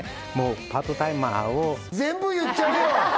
パートタイマーを全部言っちゃうよ！